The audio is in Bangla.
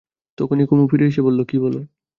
তখনই কুমু ফিরে এসে বললে, কী বলো।